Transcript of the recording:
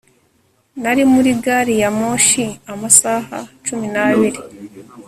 Nari muri gari ya moshi amasaha cumi nabiri